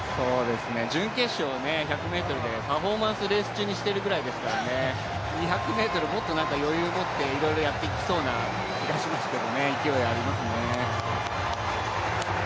準決勝、１００ｍでパフォーマンスをレース中にしているぐらいですからね、２００ｍ、もっと余裕持っていろいろやってきそうな気がしますけどね、勢いありますね。